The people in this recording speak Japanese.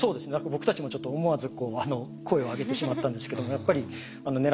僕たちもちょっと思わず声を上げてしまったんですけどもやっぱり狙ってたものが取れた。